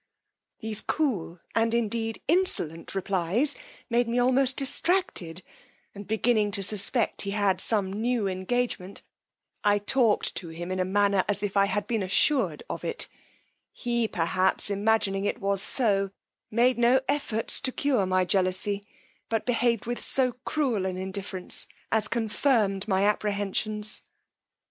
These cool, and indeed insolent replies made me almost distracted; and beginning to suspect he had some new engagement, I talked to him in a manner as if I had been assured of it: he, perhaps, imagining it was so, made no efforts to cure my jealousy, but behaved with so cruel an indifference as confirmed my apprehensions.